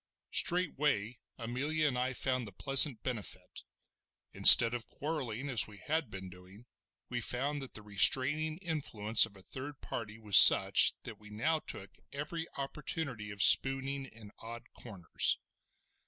Straightway Amelia and I found the pleasant benefit; instead of quarrelling, as we had been doing, we found that the restraining influence of a third party was such that we now took every opportunity of spooning in odd corners.